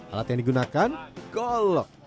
alat yang digunakan golok